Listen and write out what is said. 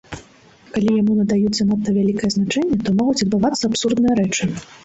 Калі яму надаюць занадта вялікае значэнне, то могуць адбывацца абсурдныя рэчы.